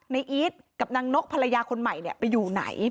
อีทกับนางนกภรรยาคนใหม่ไปอยู่ไหน